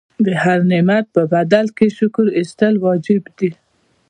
د هر نعمت په بدل کې شکر ایستل واجب دي.